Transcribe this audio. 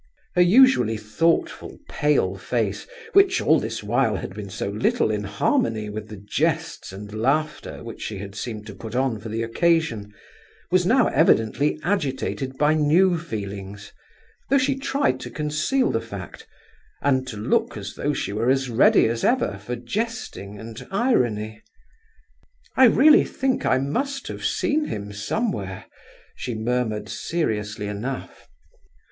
Her usually thoughtful, pale face, which all this while had been so little in harmony with the jests and laughter which she had seemed to put on for the occasion, was now evidently agitated by new feelings, though she tried to conceal the fact and to look as though she were as ready as ever for jesting and irony. "I really think I must have seen him somewhere!" she murmured seriously enough.